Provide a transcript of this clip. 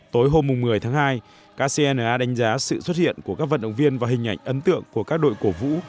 tối hôm một mươi tháng hai kcna đánh giá sự xuất hiện của các vận động viên và hình ảnh ấn tượng của các đội cổ vũ